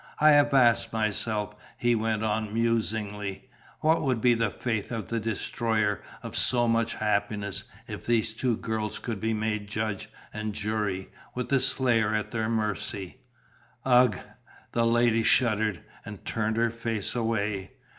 I have asked myself," he went on musingly, "what would be the fate of the destroyer of so much happiness, if these two girls could be made judge and jury, with the slayer at their mercy." "Ugh!" The lady shuddered and turned her face away.